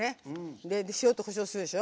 塩と、こしょうをするでしょ。